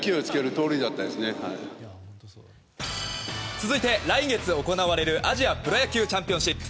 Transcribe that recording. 続いて、来月行われるアジアプロ野球チャンピオンシップ。